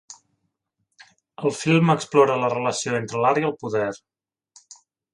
El film explora la relació entre l’art i el poder.